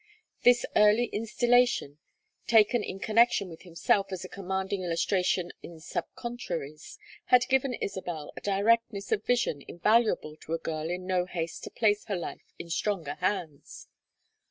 This early instillation, taken in connection with himself as a commanding illustration in subcontraries, had given Isabel a directness of vision invaluable to a girl in no haste to place her life in stronger hands.